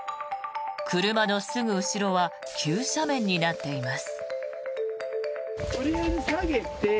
車のすぐ後ろは急斜面になっています。